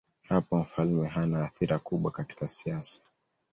Hapo mfalme hana athira kubwa katika siasa.